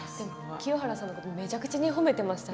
清原さんのことめちゃくちゃ褒めていましたよ。